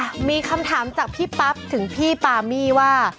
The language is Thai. มีคำถามจากพี่ปั๊บถึงพี่ปามี่ว่า